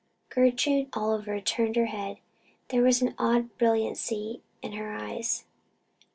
Gertrude Oliver turned her head. There was an odd brilliancy in her eyes.